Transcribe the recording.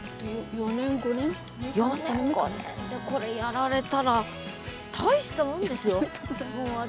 ４年５年でこれやられたら大したもんですよ！